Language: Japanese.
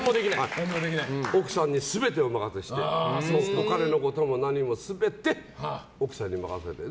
奥さんに全てお任せしてお金のことも何も全て奥さんに任せている。